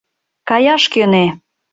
— Каяш кӧнӧ.